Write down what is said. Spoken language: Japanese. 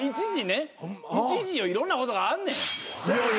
一時よいろんなことがあんねん。